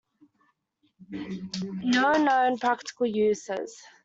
No known practical uses.